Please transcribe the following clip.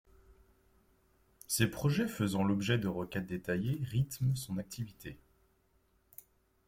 Ses projets faisant l’objet de requêtes détaillées rythment son activité.